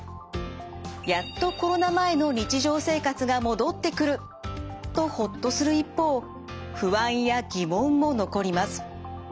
やっとコロナ前の日常生活が戻ってくるとホッとする一方不安や疑問も残ります。